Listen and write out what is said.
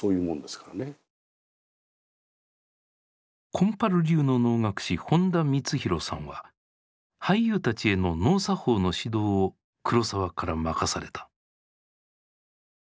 金春流の能楽師本田光洋さんは俳優たちへの能作法の指導を黒澤から任された。